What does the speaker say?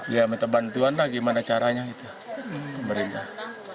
ya minta bantuan lah gimana caranya itu pemerintah